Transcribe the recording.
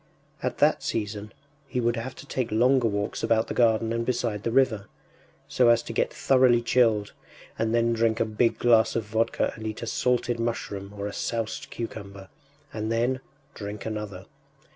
At that season he would have to take longer walks about the garden and beside the river, so as to get thoroughly chilled, and then drink a big glass of vodka and eat a salted mushroom or a soused cucumber, and then drink another....